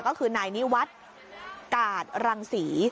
ก็คือนายนี้วัดกาดรังศรี